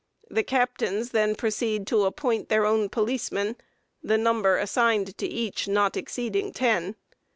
The captains then proceed to appoint their own policemen, the number assigned to each not exceeding ten.